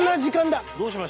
どうしました？